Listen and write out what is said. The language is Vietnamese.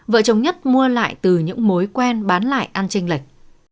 vợ chồng nhất mua lại từ những mối quen bán lại ăn tranh lệch